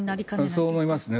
そう思いますね。